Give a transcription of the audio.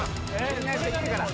みんなできるから。